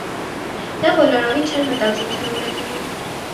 Նա բոլորովին չէր մտածում, թե ուր է գնում: